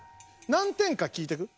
何点か聞いてく？